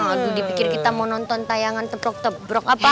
aduh dipikir kita mau nonton tayangan teprok teprok apa